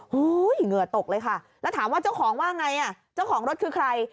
เหงื่อตกเลยค่ะแล้วถามว่าเจ้าของว่าไงอ่ะเจ้าของรถคือใคร